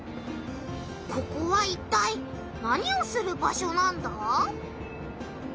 ここはいったい何をする場所なんだ？